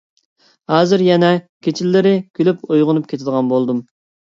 ھازىر يەنە كېچىلىرى كۈلۈپ ئويغىنىپ كېتىدىغان بولدۇم.